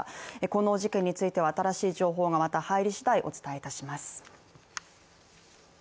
この事件については新しい情報がまた入り次第、お伝えいたします。